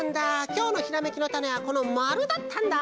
きょうのひらめきのタネはこのまるだったんだ！